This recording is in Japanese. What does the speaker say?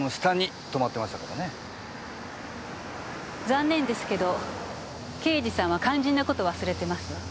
残念ですけど刑事さんは肝心な事忘れてますわ。